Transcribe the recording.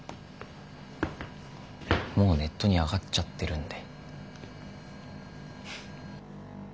もうネットにあがっちゃってるんで。